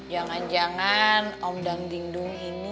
jangan jangan om dangdingdung ini